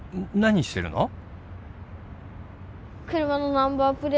何してるの？